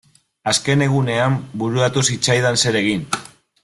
Azken egunean bururatu zitzaidan zer egin.